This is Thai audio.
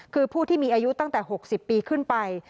คือผู้ที่มีอายุตั้งแต่๖๐ปีขึ้นไป